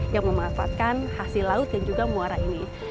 yang memanfaatkan hasil laut dan juga muara ini